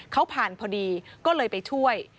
เขาผ่านพอดีก็เลยไปช่วย